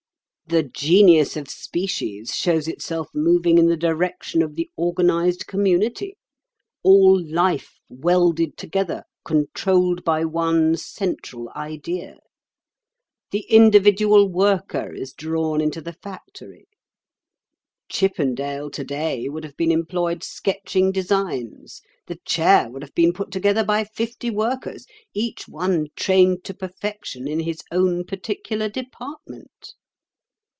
The genius of species shows itself moving in the direction of the organised community—all life welded together, controlled by one central idea. The individual worker is drawn into the factory. Chippendale today would have been employed sketching designs; the chair would have been put together by fifty workers, each one trained to perfection in his own particular department.